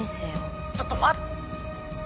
ちょっと待っ！